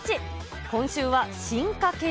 今週は進化系